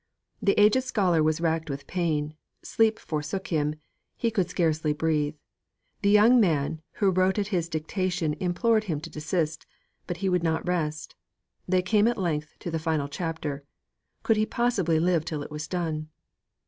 The aged scholar was racked with pain; sleep forsook him; he could scarcely breathe. The young man who wrote at his dictation implored him to desist. But he would not rest. They came at length to the final chapter; could he possibly live till it was done?